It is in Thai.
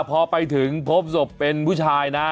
พอไปถึงพบศพเป็นผู้ชายนะ